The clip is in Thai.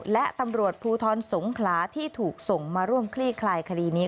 และตำรวจภูทรสงขลาที่ถูกส่งมาร่วมคลี่คลายคดีนี้